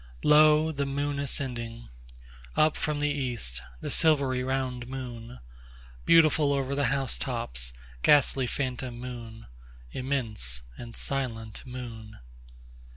2Lo! the moon ascending! Up from the east, the silvery round moon; Beautiful over the house tops, ghastly phantom moon; Immense and silent moon.